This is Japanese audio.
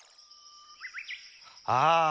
ああ！